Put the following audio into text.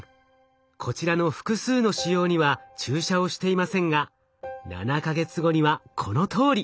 こちらの複数の腫瘍には注射をしていませんが７か月後にはこのとおり！